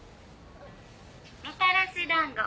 「みたらし団子」